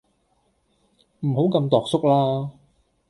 唔好咁庹縮啦